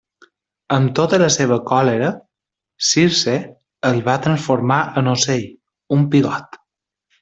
Amb tota la seva còlera, Circe el va transformar en ocell, un pigot.